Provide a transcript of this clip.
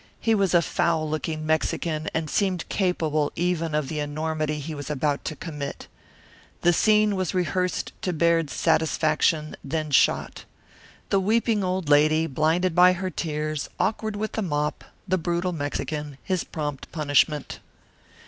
He was a foul looking Mexican and seemed capable even of the enormity he was about to commit. The scene was rehearsed to Baird's satisfaction, then shot. The weeping old lady, blinded by her tears, awkward with her mop, the brutal Mexican, his prompt punishment.